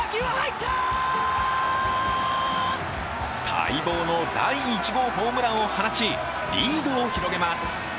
待望の第１号ホームランを放ちリードを広げます。